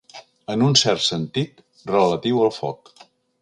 En un cert sentit, relatiu al foc.